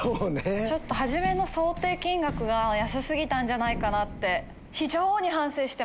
初めの想定金額が安過ぎたんじゃないかなって。